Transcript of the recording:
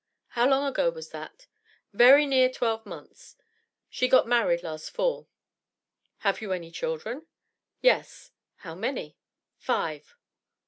"How long ago was that?" "Very near twelve months; she got married last fall." "Had you any children?" "Yes." "How many?" "Five."